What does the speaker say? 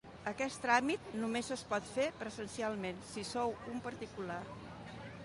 Aquest tràmit només es pot fer presencialment si sou un particular.